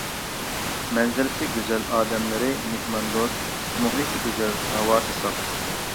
مەنزىرىسى گۈزەل، ئادەملىرى مېھماندوست، مۇھىتى گۈزەل، ھاۋاسى ساپ.